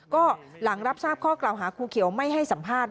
ก็หลังรับทราบข้อกล่าวหาครูเขียวไม่ให้สัมภาษณ